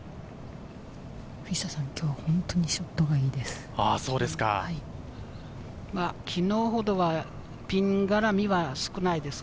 藤田さん、今日は本当にショットがいいです。